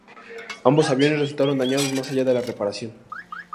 Ambos aviones resultaron dañados más allá de la reparación.